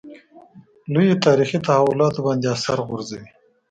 لویو تاریخي تحولاتو باندې اثر غورځوي.